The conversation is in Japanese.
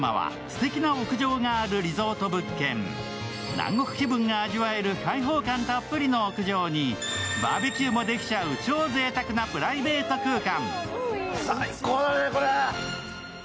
南国気分が味わえる開放感たっぷりの屋上にバーベキューもできちゃう超ぜいたくなプライベート空間。